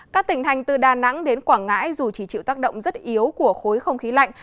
các tỉnh thành từ đà nẵng đến quảng ngãi dù chỉ chịu tác động rất yếu của khối không khí lạnh